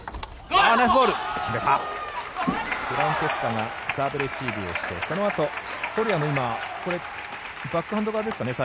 フランツィスカがサーブレシーブをしてそのあと、ソルヤも今バックハンド側ですかね